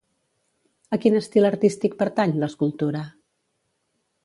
A quin estil artístic pertany, l'escultura?